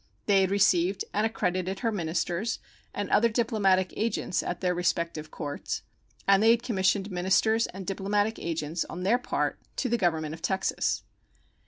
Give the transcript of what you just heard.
They had received and accredited her ministers and other diplomatic agents at their respective courts, and they had commissioned ministers and diplomatic agents on their part to the Government of Texas.